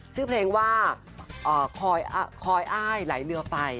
ชื่อเพลงว่าคอยอ้ายไหลเรือไป